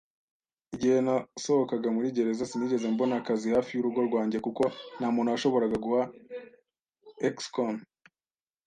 Igihe nasohokaga muri gereza, sinigeze mbona akazi hafi y’urugo rwanjye kuko nta muntu washoboraga guha ex-con.